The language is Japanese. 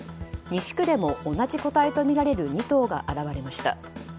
西区でも同じ個体とみられる２頭が現れました。